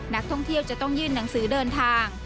นักท่องเที่ยวจะต้องยื่นหนังสือเดินทาง